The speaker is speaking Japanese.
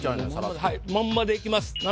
まんまでいきます